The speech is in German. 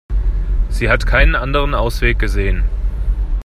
Sie hat keinen anderen Ausweg gesehen.